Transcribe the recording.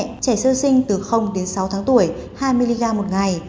trẻ sơ sinh từ đến sáu tháng tuổi hai mg một ngày